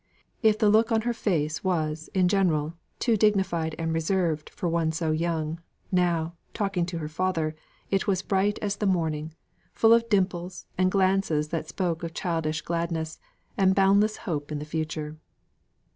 If the look on her face was, in general, too dignified and reserved for one so young, now, talking to her father, it was bright as the morning, full of dimples, and glances that spoke of childish gladness, and boundless hope in the future.